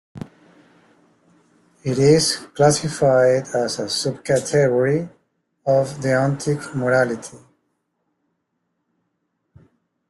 It is classified as a subcategory of deontic modality.